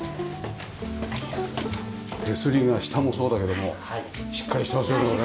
手すりが下もそうだけどもしっかりしてますよねこれね。